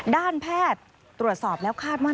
ด้านแพทย์ตรวจสอบแล้วคาดว่า